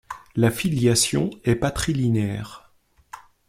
La filiation est patrilinéaire.